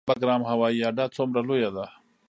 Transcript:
بګرام هوایي اډه څومره لویه ده؟